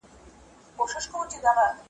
توتکۍ یې کړه په ټولو ملامته ,